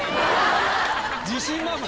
自信満々。